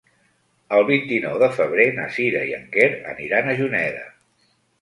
El vint-i-nou de febrer na Sira i en Quer aniran a Juneda.